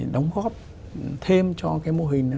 đóng góp thêm cho cái mô hình